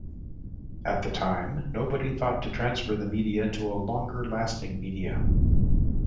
At the time nobody thought to transfer the media to a longer-lasting media.